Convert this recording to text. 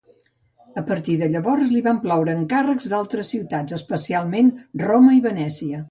A partir de llavors, li van ploure encàrrecs d'altres ciutats, especialment Roma i Venècia.